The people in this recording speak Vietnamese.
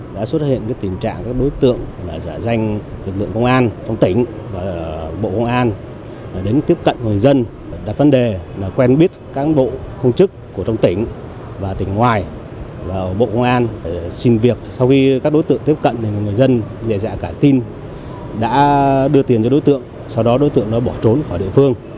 nhiều người dân dạy dạy cả tin đã đưa tiền cho đối tượng sau đó đối tượng bỏ trốn khỏi địa phương